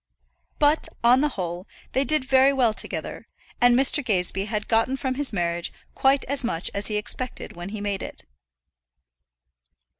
But, on the whole, they did very well together, and Mr. Gazebee had gotten from his marriage quite as much as he expected when he made it.